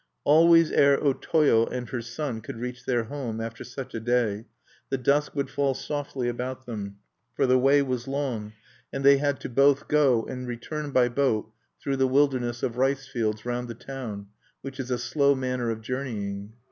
Always ere O Toyo and her son could reach their home after such a day, the dusk would fall softly about them; for the way was long, and they had to both go and return by boat through the wilderness of rice fields round the town, which is a slow manner of journeying.